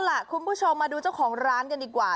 ล่ะคุณผู้ชมมาดูเจ้าของร้านกันดีกว่า